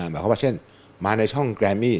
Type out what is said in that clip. แบบว่าเช่นมาในช่องแกรมมี่